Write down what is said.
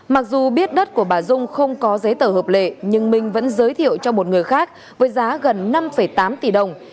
mặc dù biết đất của bà dung không có giấy tờ hợp lệ nhưng minh vẫn giới thiệu cho một người khác với giá gần năm tám tỷ đồng